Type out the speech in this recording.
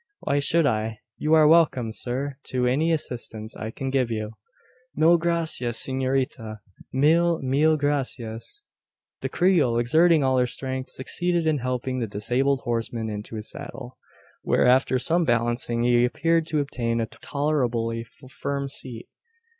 "Why should I? You are welcome, sir, to any assistance I can give you." "Mil gracias, s'norita! Mil, mil gracias!" The Creole, exerting all her strength, succeeded in helping the disabled horseman into his saddle; where, after some balancing, he appeared to obtain a tolerably firm seat.